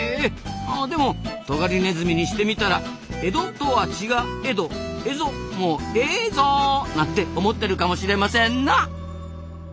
でもトガリネズミにしてみたら江戸とはちが「えど」蝦夷も「えぞ」なんて思ってるかもしれませんな。